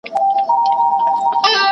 د رب ذکر په علم سره وکړئ.